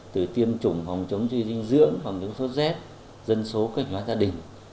từ tiêm chủng phòng chống truy dinh dưỡng phòng những số z dân số các nhà gia đình